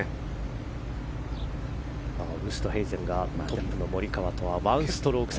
ウーストヘイゼンがトップのモリカワとは１ストローク差。